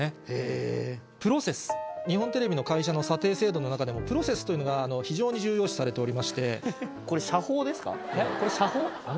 日本テレビの会社の査定制度の中でもプロセスというのが非常に重要視されておりまして。